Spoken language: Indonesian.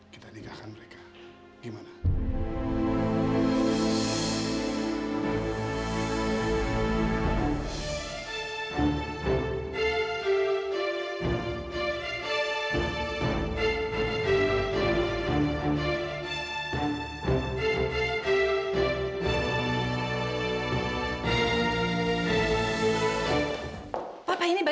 kita nikahkan mereka